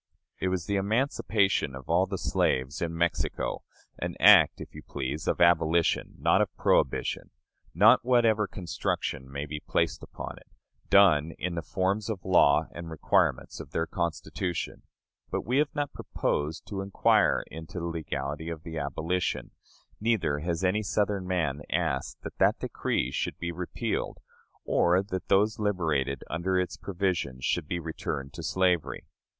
It was the emancipation of all the slaves in Mexico; an act, if you please, of abolition, not of prohibition; not, whatever construction may be placed upon it, done in the forms of law and requirements of their Constitution. But we have not proposed to inquire into the legality of the abolition, neither has any Southern man asked that that decree should be repealed, or that those liberated under its provisions should be returned to slavery.